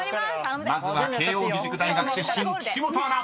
［まずは慶應義塾大学出身岸本アナ］